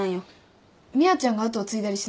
美和ちゃんが跡を継いだりしないの？